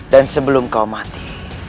dan sebelum kau mati